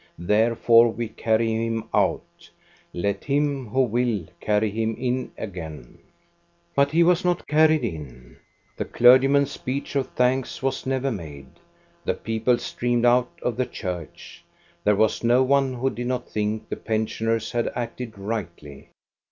Therefore we carry him out. Let him who will carry him in again." But he was not carried in. The clergyman's speech of thanks was never made. The people streamed out of the church. There was no one who did not think the pensioners had acted rightly.